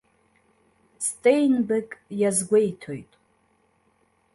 Стеинбек иазгәеиҭоит.